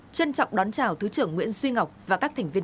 trân trọng đón chào thứ trưởng nguyễn duy ngọc và các thành viên